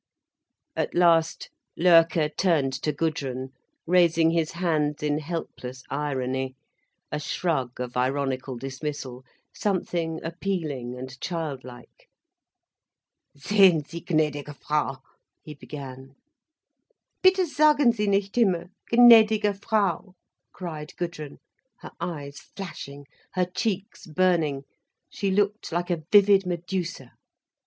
At last Loerke turned to Gudrun, raising his hands in helpless irony, a shrug of ironical dismissal, something appealing and child like. "Sehen sie, gnädige Frau—" he began. "Bitte sagen Sie nicht immer, gnädige Frau," cried Gudrun, her eyes flashing, her cheeks burning. She looked like a vivid Medusa.